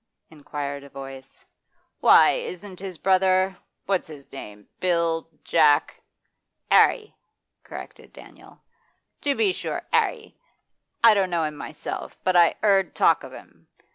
inquired a voice. 'Why, isn't his brother what's his name? Bill Jack ' ''Arry,' corrected Daniel. 'To be sure, 'Arry; I don't know him myself, but I 'eard talk of him.